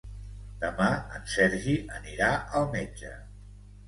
Demà en Sergi anirà al metge.